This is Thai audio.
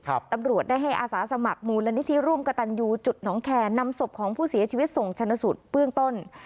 ตำรวจได้ให้อาสาสมัครมูลนิธิร่วมกระตันยูจุดหนองแคร์นำศพของผู้เสียชีวิตส่งชนะสูตรเบื้องต้น